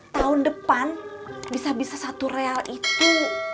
tahun depan bisa bisa satu real itu